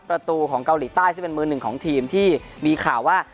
ประตูของเกาหลีใต้ซึ่งเป็นมือหนึ่งของทีมที่มีข่าวว่า